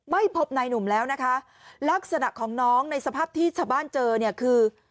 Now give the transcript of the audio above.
ไม่พบนายหนุ่มแล้วนะคะลักษณะของน้องในสภาพที่ชาวบ้านเจอเนี่ยคือ